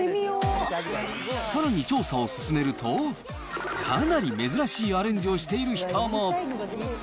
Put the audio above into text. さらに調査を進めると、かなり珍しいアレンジをしている人も。